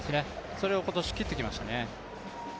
それを今年切ってきましたね。